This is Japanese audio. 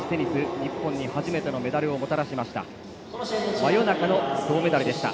日本に初めてのメダルをもたらしました。